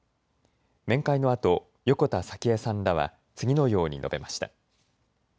面会のあと横田早紀江さんらは次のように述べました。